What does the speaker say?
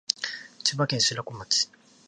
千葉県白子町